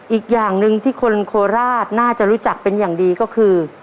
อีกอย่างหนึ่งที่คนโคราชน่าจะรู้จักเป็นอย่างดีก็คือ